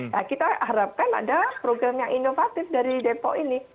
nah kita harapkan ada program yang inovatif dari depok ini